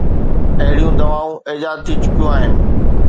اهڙيون دوائون ايجاد ٿي چڪيون آهن.